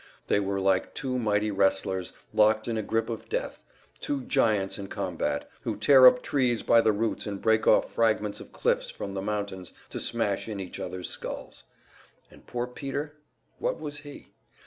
They were like two mighty wrestlers, locked in a grip of death; two giants in combat, who tear up trees by the roots and break off fragments of cliffs from the mountains to smash in each other's skulls. And poor Peter what was he?